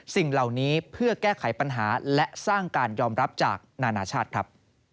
สิ่งเหล่านี้เพื่อแก้ไขปัญหาและสร้างการยอมรับจากนานาชาติครับ